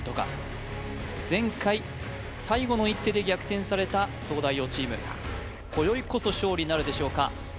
前回最後の一手で逆転された東大王チーム今宵こそ勝利なるでしょうか？